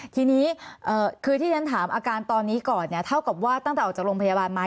ทีนี้คือที่ฉันถามอาการตอนนี้ก่อนเนี่ยเท่ากับว่าตั้งแต่ออกจากโรงพยาบาลมา